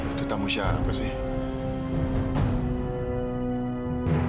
itu tamu siapa sih